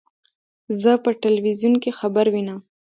زه په ټلویزیون کې خبر وینم.